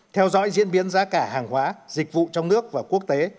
theo dõi diễn biến giá cả hàng hóa dịch vụ trong nước và quốc tế